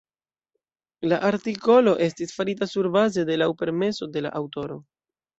La artikolo estis farita surbaze de laŭ permeso de la aŭtoro.